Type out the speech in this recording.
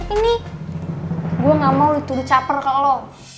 ini gua nggak mau dituduh caper ke lo